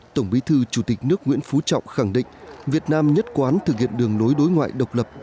tổng bí thư chủ tịch nước nguyễn phú trọng khẳng định việt nam nhất quán thực hiện đường lối đối ngoại độc lập